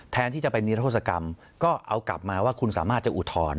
แทนที่จะเป็นนิรโทษกรรมก็เอากลับมาว่าคุณสามารถจะอุทธรณ์